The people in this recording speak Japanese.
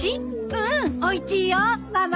うんおいちいよママ。